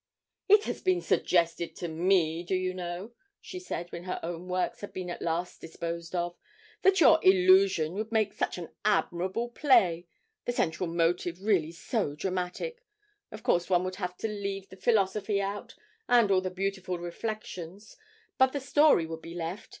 'It has been suggested to me, do you know,' she said when her own works had been at last disposed of, 'that your "Illusion" would make such an admirable play; the central motive really so dramatic. Of course one would have to leave the philosophy out, and all the beautiful reflections, but the story would be left.